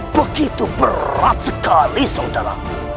begitu berat sekali saudara